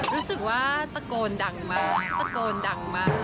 รู้สึกว่าตะโกนดังมากตะโกนดังมาก